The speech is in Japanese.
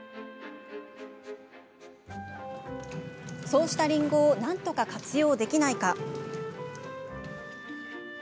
そうしたりんごをなんとか活用できないか。